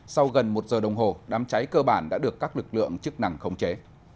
sau gần một giờ đồng hồ đám cháy cơ bản đã được các lực lượng chức năng khống chế